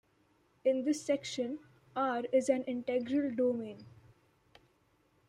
In this section, "R" is an integral domain.